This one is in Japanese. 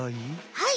はい！